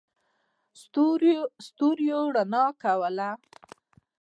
ستورو رڼا کوله.